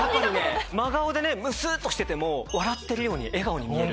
真顔でねムスっとしてても笑ってるように笑顔に見える。